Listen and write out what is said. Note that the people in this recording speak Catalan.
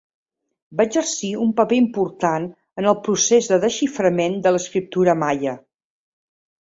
Va exercir un paper important en el procés de desxiframent de l'escriptura maia.